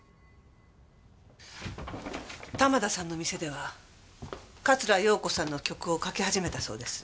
玉田さんの店では桂陽子さんの曲をかけ始めたそうです。